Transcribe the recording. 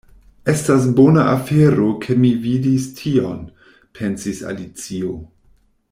"Estas bona afero ke mi vidis tion," pensis Alicio.